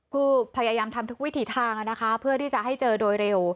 ก็พยายามทำทุกวิถีทางนะคะเพื่อที่จะให้เจอโดยเร็ว